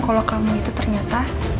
kalau kamu itu ternyata